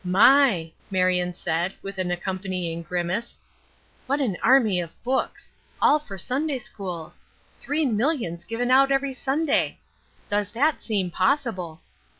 "My!" Marion said, with an accompanying grimace. "What an army of books! All for Sunday schools. Three millions given out every Sunday! Does that seem possible!